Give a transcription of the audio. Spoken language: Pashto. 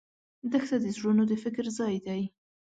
دښته د زړونو د فکر ځای دی.